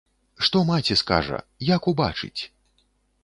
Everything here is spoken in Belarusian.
Што маці скажа, як убачыць?!